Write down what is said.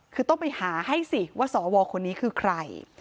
คือต้องไปหาให้สิว่าสวคนนี้คือใคร